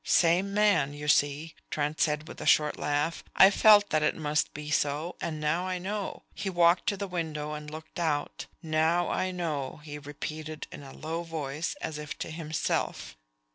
"Same man, you see," Trent said with a short laugh. "I felt that it must be so, and now I know." He walked to the window and looked out. "Now I know," he repeated in a low voice, as if to himself.